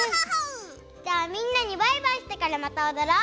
じゃあみんなにバイバイしてからまたおどろう。